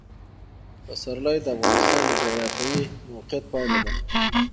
پسرلی د افغانستان د جغرافیایي موقیعت پایله ده.